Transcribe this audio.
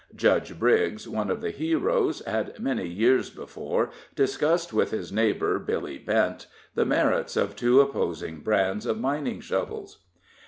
"Judge" Briggs, one of the heroes, had many years before discussed with his neighbor, Billy Bent, the merits of two opposing brands of mining shovels.